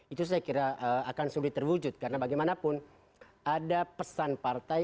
itu saya kira akan sulit terwujud karena bagaimanapun ada pesan partai